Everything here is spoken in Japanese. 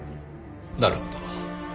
なるほど。